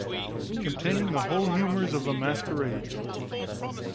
Containing the whole humours of a masquerade.